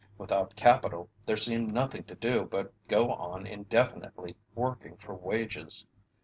Without capital there seemed nothing to do but go on indefinitely working for wages.